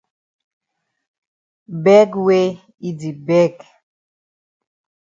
Beg wey yi di beg.